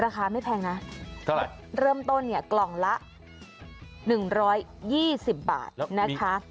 ราคาไม่แพงน่ะเท่าไหร่เริ่มต้นเนี้ยกล่องละหนึ่งร้อยยี่สิบบาทนะคะ